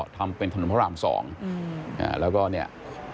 ทำเป็นถนนพระรามสองอืมอืมอ่าแล้วก็เนี้ย